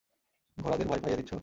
ঘোড়াদের ভয় পাইয়ে দিচ্ছ।